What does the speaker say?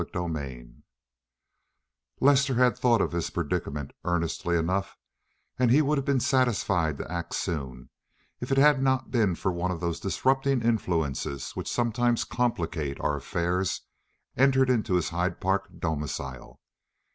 CHAPTER LI Lester had thought of his predicament earnestly enough, and he would have been satisfied to act soon if it had not been that one of those disrupting influences which sometimes complicate our affairs entered into his Hyde Park domicile.